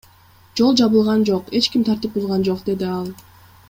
Жол жабылган жок, эч ким тартип бузган жок, — деди ал.